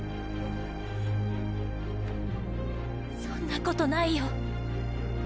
そんなことないよ。